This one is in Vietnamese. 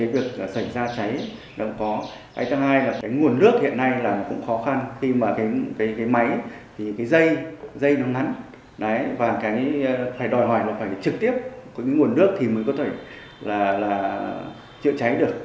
và cái phải đòi hoài là phải trực tiếp cái nguồn nước thì mới có thể là chữa cháy được